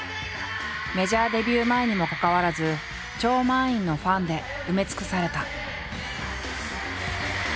メジャーデビュー前にもかかわらず超満員のファンで埋め尽くされた。